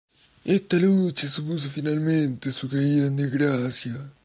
Esta lucha supuso finalmente su caída en desgracia.